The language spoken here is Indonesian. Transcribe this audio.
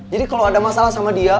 jadi kalo ada masalah sama dia